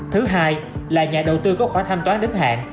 thứ hai là nhà đầu tư có khoản thanh toán đến hạn